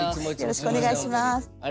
よろしくお願いします。